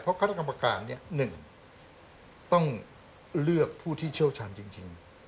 เพราะคณะกรรมการ๑ต้องเลือกผู้ที่เชี่ยวชาญจริง